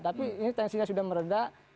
tapi ini tensinya sudah meredah